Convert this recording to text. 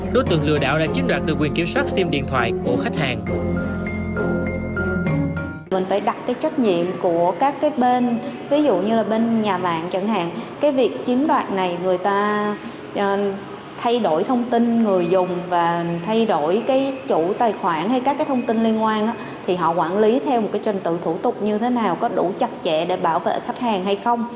đối tượng lừa đảo đã chiếm đoạt được quyền kiểm soát sim điện thoại của khách hàng